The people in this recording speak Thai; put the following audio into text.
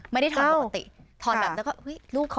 ไม่ได้ทอนปกติทอนแบบแล้วก็